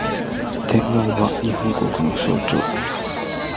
天皇は、日本国の象徴